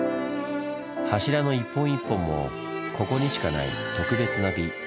柱の一本一本もここにしかない「特別な美」。